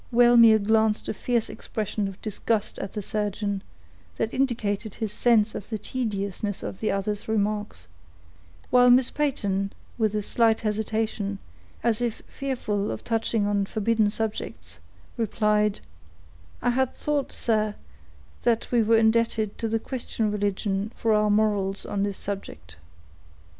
Wellmere glanced a fierce expression of disgust at the surgeon, that indicated his sense of the tediousness of the other's remarks; while Miss Peyton, with a slight hesitation, as if fearful of touching on forbidden subjects, replied,— "I had thought, sir, that we were indebted to the Christian religion for our morals on this subject."